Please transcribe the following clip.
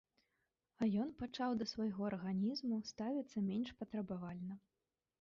А ён пачаў да свайго арганізму ставіцца менш патрабавальна.